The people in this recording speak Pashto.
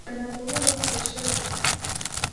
د ناپوهۍ وخت تېر شوی دی.